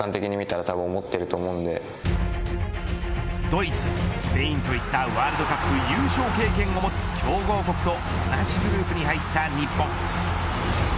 ドイツ、スペインといったワールドカップ優勝経験を持つ強豪国と同じグループに入った日本。